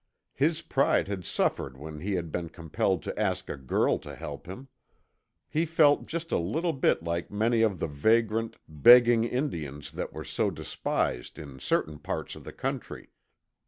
His pride had suffered when he had been compelled to ask a girl to help him. He felt just a little bit like many of the vagrant, begging Indians that were so despised in certain parts of the country.